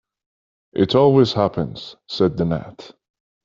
‘It always happens,’ said the gnat.